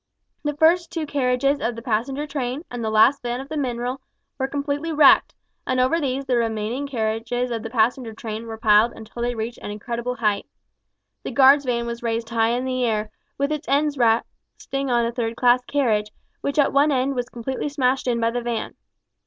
The first two carriages of the passenger train, and the last van of the mineral, were completely wrecked; and over these the remaining carriages of the passenger train were piled until they reached an incredible height. The guard's van was raised high in the air, with its ends resting on a third class carriage, which at one end was completely smashed in by the van.